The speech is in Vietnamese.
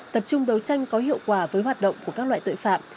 tập trung đấu tranh có hiệu quả với hoạt động của các loại tội phạm